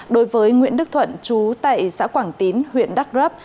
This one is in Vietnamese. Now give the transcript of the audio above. đối với nguyễn đức thuận chú tại xã quảng tín huyện đắk rớp